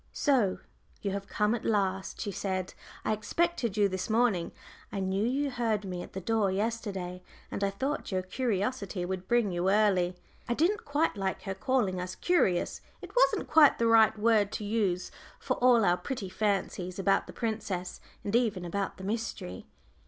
"So you have come at last," she said; "I expected you this morning. I knew you heard me at the door yesterday, and I thought your curiosity would bring you early." I didn't quite like her calling us "curious." It wasn't quite the right word to use for all our pretty fancies about the princess, and even about the mystery.